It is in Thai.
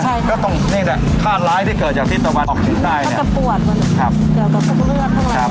มันก็ปวดกว่าได้แต่ก็เตียวกับเลือดทั้งหลังนะ